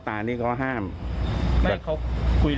ศักดิ์เขาเตลอว่าลูกสาว